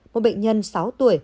một bệnh nhân sáu tuổi